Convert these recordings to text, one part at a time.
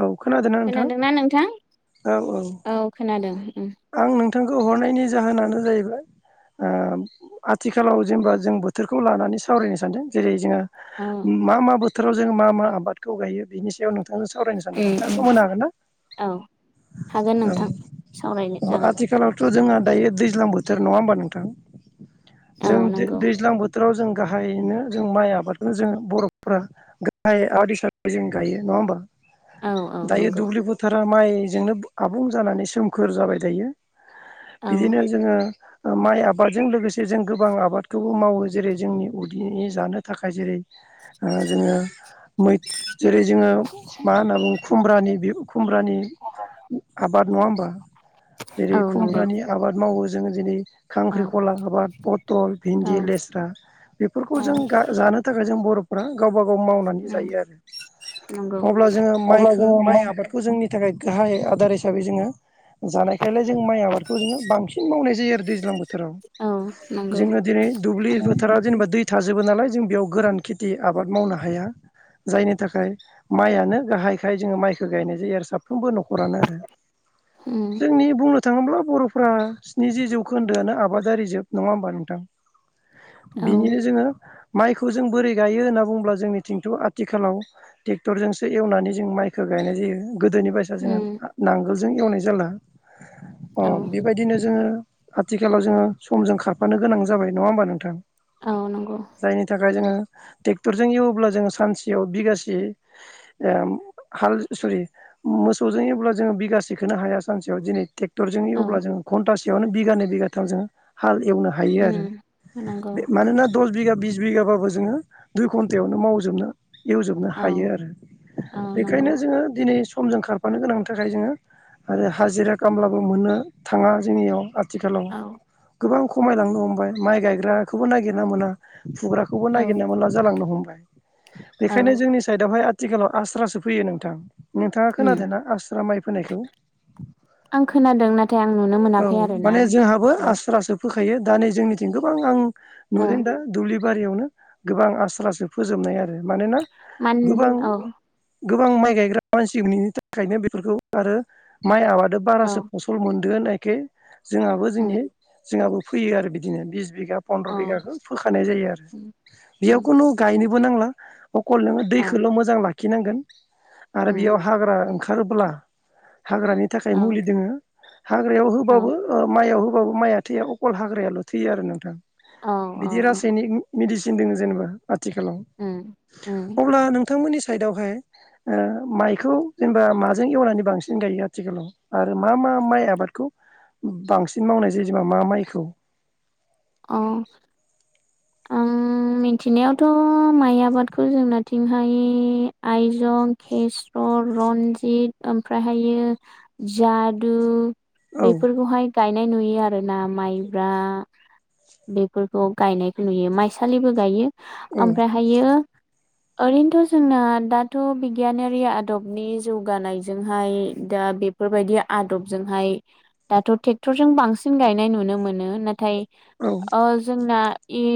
औ नोंथां खोनादोंना नोंथां? औ खोनादों। उम आं नोंथांखौ हरनायनि जाहोनानो जाहैबाय ओ आथिखालाव जेनेबा जों बोथोरखौ लानानै सावरायनो सानदों जेरै जोङो औ मा मा बोथोराव जोङो मा मा आबादखौ गायो बिनि सायाव नों नोंथांजों सावरायनो सानदोंमोन नोंथाङा सम होनो हागोन ना औ। औ हागोन नोंथां सावरायनो जागोन आथिखालावथ' जोंहा दायो दैज्लां बोथोर नङा होमबा नोंथां? औ जों नंगौ दैज्लां बोथोराव जों गाहायैनो जों माइ आबादखौ जोङो बर'फोरा गाहाय आबाद हिसाबै जों गायो नङा होमबा? औ औ दायो नंगौ दुब्लि फोथारा माइजोंनो आबुं जानानै सोमखोर जाबाय दायो। औ बिदिनो जोङो माइ आबादजों लोगोसे जों गोबां आबादखौबो मावो जेरै जोंनि उदैनि जानो थाखाय जेरै ओ जोङो मै जेरै जोङो मा होनना बुङो खुमब्रानि खुमब्रानि आ बाद नङा होमबा जेरै औ नंगौ खुमब्रानि आबाद मावो जोङो जेरै औ खांख्रिख'ला आबाद पथल औ भिन्दि लेस्रा बेफोरखौ औ जों गा जानो थाखाय जों बर' फोरा गावबागाव मावनानै उम जायो आरो। नंगौ अब्ला जोङो अब्ला माइखो जोङो माइ मा आबादखौ जोंनि थाखाय गाहाय आदार हिसाबै जोङो जानायखायलाय जों माइ आबादखौ जोङो बांसिन मावनाय जायो आरो दैज्लां बोथोराव। औ नंगौ जोङो दिनै दुब्लि फोथाराव जेनेबा दै थाजोबो नालाय जों बेयाव गोरान खेथि आबाद मावनो हाया। जायनि थाखाय माइयानो गाहायखाय जोङो माइखौ गायनाय जायो आरो साफ्रोमबो न'खरानो आरो। उम जोंनि बुंनो थाङोब्ला बर' फ्रा स्निजि जौखोन्दोआनो आबादारि जोब नङा होमबा ‌नोंथां। औ बिनिनो जोङो माइखौ जों बोरै गायो होनना बुङोब्ला जोंनिथिंथ' आथिखालाव ट्रेक्टर जजोंसो एवनानै जों माइखौ गायनाय जायो गोदोनि बायसा जों उम नांगोलजों एवनाय जाला अ औ बेबायदिनो जोङो आथिखालाव जोङो समजों खारफानो गोनां जाबाय नङा होमबा नोंथां। औ नंगौ जायनि थाखाय जोङो ट्रेक्टरजों एवोबब्ला जोङो सानसेयाव बिगासे अ हाल सरि मोसौजों अब्ला जोङो बिगासेखौनो हाया। सानसेयाव दिनै ट्रेक्टरजोंनि औ अब्ला जोङो घन्टासेयावनो बिगानै बिगाथाम जोङो हा एवनो हायो उम आरो नंगौ बे मानोना दस बिगा बिस बिगाबाबो जोङो दुइ घन्टायावनो मावजोबनो एवजोबनो औ हायो आरो औ नंगौ बेखायनो जोङो दिनै समजों खारफानो गोनांनि थाखाय जोङो आरो हाजिरा खामलाबो मोननो थाङा जोंनियाव आथिखालाव औ गोबां खमायलांनो हमबाय माइ गायग्राखौबो नागिरना मोना। फुग्राखौबो औ नागिरनो मोनला जालांनो हमबाय औ बेखायनो जोंनि साइदआवहाय आथिखालाव आस्रासो फैयो नोंथां नोंथाङा उम खोनादों ना आस्रा माइ फोनायखौ औ आं खोनादों नाथाय आं नुनो मोनाखै आरोना माने जोंहाबो औ आसुरासो फोखायो दा नै जोंनिथिं गोबां आं औ नुदों दा दुब्लि बारियावनो गोबां आस्रासो फोजोबनाय आरो मानोना मान गोबां औ गोबां माइ गायग्रा मानसिनि थाखायनो बेफोरखौ आरो माइ आबादा औ बारासो फसल मोन - दो होननायखाय जोंहाबो उम जोंनि फोयो आरै बिदिनो बिज बिघा अ पन्द्र' बिघाखौ फोखानाय जायो आरो उम बेयाव उम खुनु गायनोबो नांला अकल नोङो औ दैखौल' मोजां लाखिनांगोन आरो बेयाव उम हाग्रा ओंखारोब्ला हाग्रानि थाखाय औ मुलि दोङो हाग्रायाव औ होबाबो अ माइयाव अब मया थै अखल हाग्रायाल' थैयो आरो नोंथां औ औ बिदि औ रायनिक मेदिसिन जेनेबा आथिखालाव उम उम अब्ला नोंथमोननि साइडआवहाय अ माइखौ जेनेबा माजों एवनानै बांसिन सिन गायो आथिखालाव आरो मा मा माइ आबादखौ बांसिन मावनाय जायो जोंहा मा माइखौ? औ। [inaudible] मिथिनायावथ' माइ आबादखौ जोंनाथिंहाय आइजं खेस्रं रनजित ओमफ्रायहायो जादु औ बेफोरखौहाय गायनाय नुयो आरो ना माइब्रा बेफोरखौ गायनाय नुयो माइसालिबो गायो औ ओमफ्रायहायो [inaudible] ओरैनोथ' जोंना दाथ' बिगियानारि आदबनि जौगानायजोंहाय दा बे बेफोरबायदि आदबजोंहाय दाथ' ट्रेक्टरजों बांसिन गायनाय नुनो मोनो नाथाय अ जोंना इ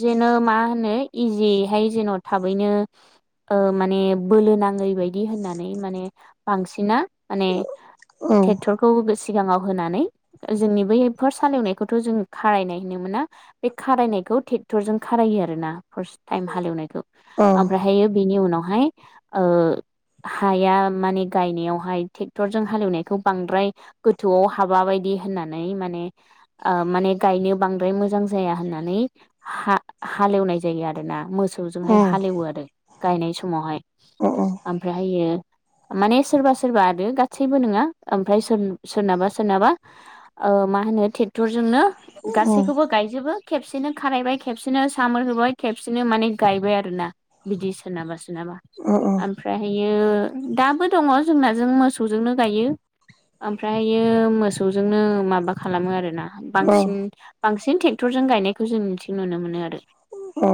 जेन' मा होनो इजिहाय जेन' थाबैनो अ माने बो लोनाङै बायदि होननानै माने बांसिना माने औ ट्रेक्टरखौ सिगाङाव होनानै जोंनि बै फोरस हालेवनायखौथ' जों खारायनाय होननो मोना बे खारायनाय खौ टेक्टर जों खारायो आरोना फरस ताइम हालेवनायखौ औ अ अमफ्रायायो बेनि उनाव हाय अ हाया माने गायनायावहाय ट्रेक्टरजों हालेवनायखौ बांद्राय गोथौआव हाबा बायदि दि होननानै माने ओ माने गायनो बांद्राय मोजां जाया होननानै हा हालेवनाय जायो आरोना मोस अ मोसौजोंहाय हालेवो आरो गायनाय समावहाय अ ओमफ्रायहायो माने सोरबा सोरबा आरो गासैबो नङा ओमफ्राय सो सोरनाबा सोरनाबा ओ मा होनो ट्रेक्टरजोंनो गासैखौबो गायजोबो खेबसेनो खारायबाय खेबसेनो सामोर होबाय खेबसेनो माने गायबाय आरो ना बिदि सोरनाबा सो नाबा अ ओमफ्रायहायो दाबो दङ जोंनाजों मोसौजोंनो गायो। ओमफ्रायो मोसौजोंनो माबा खालामो आरोना। अ बांसिन बांसिन ट्रेक्टरजों गायनायखौ जों निथिं नुनो मोनो आरो। अ।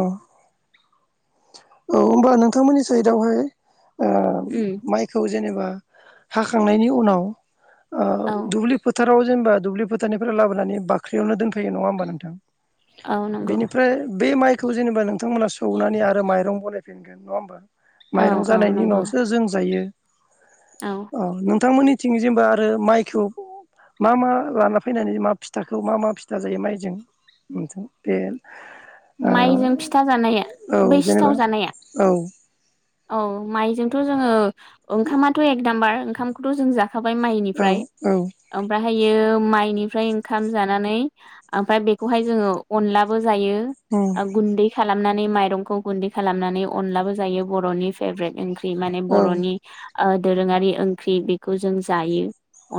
औ होमबा नोंथांमोननि साइदावहाय ओ उम माइखौ जेनेबा हाखांनायनि उनाव ओ औ दुब्लि फोथार फ्राव जेनेबा दुब्लि फोथारनिफ्राय लाबोनानै बाख्रियाव दोनफैयो नङा होनबा नोंथां? औ नंगौ बिनिफ्राय बे माइखौ जेनेबा नोंथांमोना सौनानै आरो माइ माइरं बानायफिनगोन नङा होमबा औ माइरं औ जानायनि नंगौ उनावसो जों जायो। औ नोंथांमोननिथिं जेनेबा आरो माइखौ मा मा लाना फैनानै मा फिथाखौ मा मा फिथा जायो माइजों? मोनसां तेन ओ माइजों फिथा जानाया औ बै सिथाव जेनेबा जा जानाया औ औ माइजों जोंओ ओंखामाथ एकनाम्बार ओंखामखौथ जों जाखाबाय औ माइनिफ्राय औ ओमफ्राय ओमफायो माइनिफ्राय ओंखाम जानानै ओमफ्राय बेखौहाय जोङो अनलाबो जायो। उम गुन्दै खालामनानै माइरंखौ गुन्दै खालामनानै अनलाबो जायो बरनि फेभरेट ओंख्रि माने औ बरनि ओ दोरोङारि ओंख्रि बेखौ जों जायो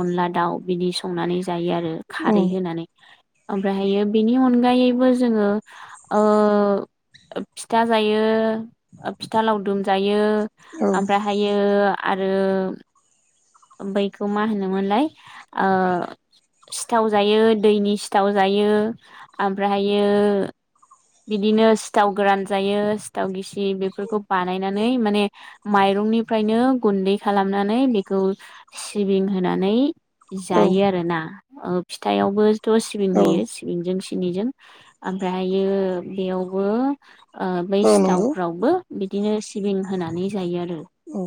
अनला दाउ बिनि संनानै जायो आरो खारै उम होनानै ओमफ्रायहायो बेनि अनगायैबो जोङो ओ फिथा जायो फिथा लावदुम जायो औ ओमफ्रायहायो आरो बैखौ मा होनोमोनलाय आ सिथाव जायो दैनि सिथाव जायो ओमफ्रायहायो बिदिनो सिथाव गोरान जायो सिथाव गिसि बेफोरखौ बानायनानै माने माइरं रंनिफ्रायनो गुन्दै खालामनानै बेखौ सिबिं होनानै औ जायो आरोना फिथायावबोथ सिबिं औ होयो सिबिंजोंं सिनिजों ओमफ्रायो बेयावबो बै औ ओ नंगौ सिथावफ्रावबो बिदिनो सिबिं होनानै जायो आरो औ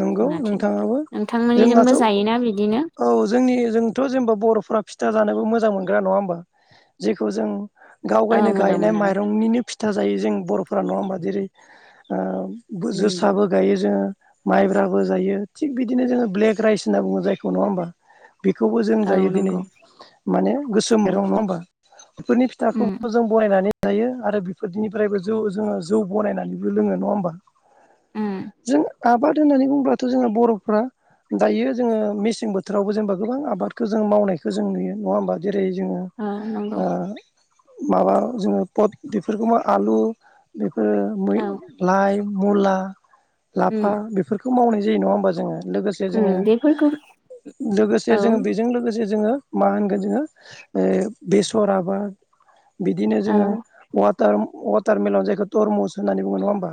नंगौ जोंनाथिं नोंथाङाबो जोंहाथ नोंथांमोननिजोंबो जायोना बिदिनो औ जोंनि जोंथ जेनेबा बरफोरा फिथा जानोबो मोजां मोनो ग्रा नंङा होमबा जेखौ जों गाव औ गायनो मोजां गायनाय मोनो माइरंनिनो फिथा जायो जों बरफोरा नंङा होमबा जेरै उम बोजोसाबो जो मब्राबो जायो थिग बिदिनो जोङो ब्लेक राइस होनना बुङो जायखौ नङा होमबा बेखौबो जों औ जायो दिनै नंगौ माने गोसोम औ माइरं नङा होमबा बेफोरनि फिथाखौ उम जों बनायनानै जायो आरो बेफोरदिनिफ्रायबो जौ जोंङो जौ बनायनानैबो लोङो नङा होमबा उम जों आबाद होननानै बुंओब्लाथ जोंहा बरफ्रा दायो जोंङो मेसें बोथोरावबो जेनेबा गोबां आबादखौ जों मावनायखौ जों नुयो नंङा होमबा जे जेरै जोंङो औ नंगौ ओ माबा जोंङो पट बेफोरखौबो आलु बेफोरो मै औ लाइ मुला उम लाफा बेफोरखौ मावनाय जायो नंङा होमबा जोंङो लोगोसे उम जोंङो बेफोरखौ लोगोसे जोंओ औ बेजों लोगोसे जोंङो मा होन बिदिनो ओ बिसराबा बिदिनो औ जोंङो टार्म वाटारमिलन जायखौ टरमुस होननानै नंङा होमबा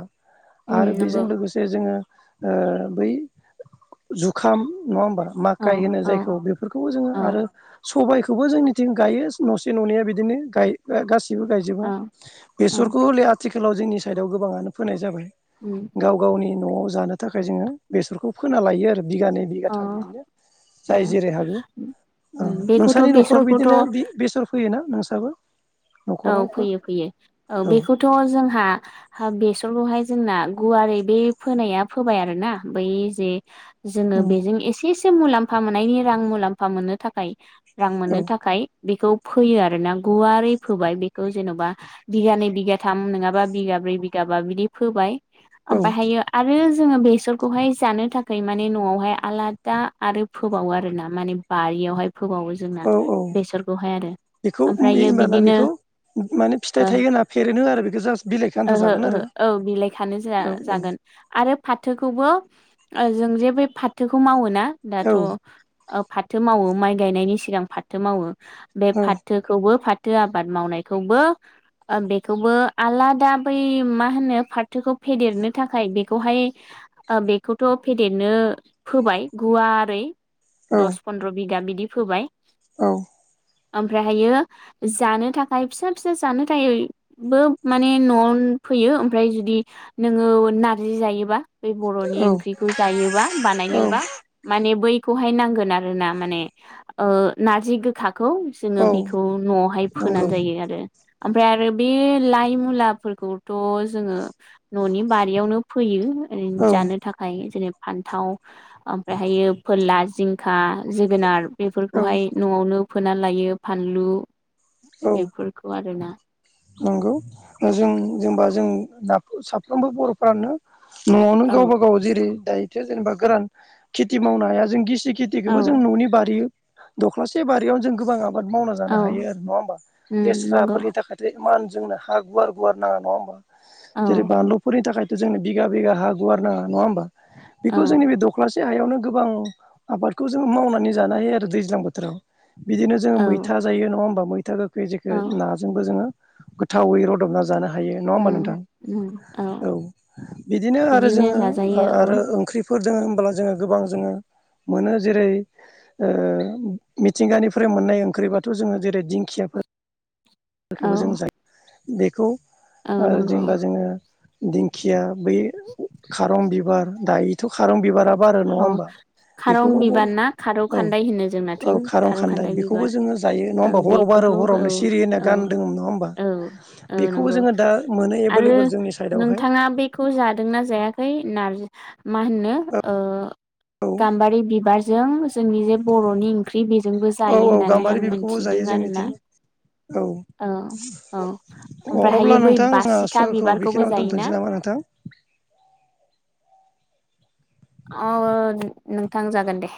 आरो उम बेजों नंगौ लोगोसे जोंङो ओ बै जुखाम नङा होमबा औ माकाइ होनो औ जायखौ बेफोरखौ जोंङो औ आरो सबायखो थेवबो जोंनिथिं गायो नसे ननैया बिदिनो गायो गासैबो गायजोबा औ औ बेसरखौ हले आथिखालाव जोंनि साइडआव गोबांङानो फोनाय जाबाय उम गाव गावनि नआव जानो थाखाय जोंङो बेसरखौ फोना लायो आरो बिगानै अ बिगाथाम बिदिनो जाय जेरै हागो ओ उम बेखौथ' नोंसानि नखराव बेसरखौथ' बिदिनो बेसर फैयोना नोंसाबो औ न'खरावबो फैयो फैयो औ बेखौथ जोंहा हा बेसरखौहाय जोंना गुवारै बे फोनाया फोबाय आरोना बै जे जोंङो उम बेजों एसे से मुलाम्फा मोननायनि रां मुलाम्फा मोननो थाखाय रां औ मोननो थाखाय बेखौ फोयो आरो ना गुवारै फोबाय बेखौ जेनबा बिगानै बिगाथाम नोंङाबा बिगा ब्रै बिगाबा बिदि फोबाय औ ओमफ्रायहायो आरो जों जोंङो बेसरखौहाय जानो थाखाय माने नआवहाय आलादा आरो फोबावो आरोना माने बारियावहाय फोबावो जोंना औ औ बेसरखौहाय आरो ओमफ्रायो दाना बिदिनो बेखौ माने फिथाइ ओ थायोगोन ना फेरेनो आरो बेखौ जास्ट बिलाइखो आन्था ओहो जागोन ओहो आरो औ बिलाइ खानो जा औ औ जागोन आरो फाथोखौबो ओ जों जे बे फाथोखौ मावोना औ दाथ ओ फाथो मावो माइ गायनायनि सिगां फाथो मावो बे औ फाथोखौबो फाथ थो आबाद मावनायखौबो बेखौबो आलादा बै मा होनो फाथोखौ फेदेरनो थाखाय बेखौहाय ओ बेखौथ फेदेरनो फोबाय गुवारै दस फन्द्र बिगा बिदि फोबाय औ ओमफ्रायहायो जानो थाखाय फिसा फिसा जानो थाखायबो माने नआव फैयो ओमफ्राय जुदि नोङोव नारजि जायोबा बे बरनि औ ओंख्रिखौ जायोबा औ बानायनोबा माने बै खौहाय नांगोन आरोना माने नारजि गोखाखौ औ जोंङो बेखौ नआवहाय हाय फोनानै नंगौ जायो आरो ओमफ्राय आरो बे लाइ, मुलाफोरखौथ' जोङो ननि बारियावनो [unintelligible] फोयो औ जानो थाखाय जेरै फान्थाव ओमफ्रायहायो फोरला जिंखा, जोगोनार औ बेफोरखौहाय नआवनो फोनानै लायो फानलु औ बेफोरखौ आरोना नंगौ जों जेनबा जों जाब साफ्रोमबो बर'फ्रानो नआवनो औ गावबा -गाव जेरै दायोथो जेनेबा गोरान खेथि मावनो हाया जों गिसि औ खेथिखौबो जों ननि बारि दख्लासे बारियावनो जों गोबा आबाद खेति आबाद मावना जानो औ हायो आरो नङा होमबा? उम नंगौ लेस्राफोरनि थाखाय इमान जोंनो हा गुवार -गुवार नाङा नङा होमबा औ जेरै बानलुफोरनि थाखाय। जोंनो बिगा बिगा हा गुवार नाङा नङा होमबा? औ बेखौ जोंनि बे दख्लासे [unintelligible] हायावनो गोबां आबादखौ जोङो मावनानै जानो हायो आरो दैज्लां बोथोराव। बिदिनो जोङो औ मैथा जायो नङा होमबा? मैथा गोखै जेखो औ नाजोंबो जोङो गोथावै रदबना जानो हायो। हायो नङा होमबा उम नोंथां? उम औ बिदिनो आरो जोङो ओ जाजायो औ आरो ओंख्रि [unintelligible] दोङो होनबोला जोङो गोबां जोङो मोनो जेरै ओ मिथिंगानिफ्राय मोननाय ओंख्रिबाथ‌' जोङो जेरै दिंखियाफोर [inaudible] औ। बेखौ औ ओ नंगौ जेनेबा जोङो दिंखिया बै खारं बिबार दायोथ' खारं बिबारा बारो नङा औ होमबा खारं बेखौबो बिबार बर' ना खारौ औ खान्दाइ होनो औ जोंनाथिं खारं खारौ खान्दाय खान्दाइ बेखौबो बिबार जोङो जायो नङा औ होमबा हराव बारो बेखौथ' औ हरावनो सिरि होनना औ। गान दोङोमोन नङा होमबा औ औ बेखौबो नंगौ जोङो दा मोनो आरो एभेलेबल जोंनि साइडआवहाय नोंथाङा बेखौ जादोंना? जायाखै नारजि मा होननो ओ औ गाम्बारि बिबारजों जोंनि जे बर'नि ओंख्रि बेजोंबो औ जायो औ होननानै गाम्बारि आं बिबारखौबो मिथिनो जायो जोंनिथिं औ औ अ अब्ला ओमफ्रायहायो बै नोंथां जोंहा बासिखा समखौ बिबारखौबो बेखिनानै जायोना दोनथ'नोसै नामा आरो। [unintelligible] औ नोंथां जागोन दे।